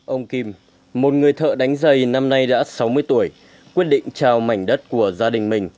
ông kim một người thợ đánh giày năm nay đã sáu mươi tuổi quyết định trào mảnh đất của gia đình mình